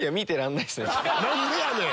何でやねん！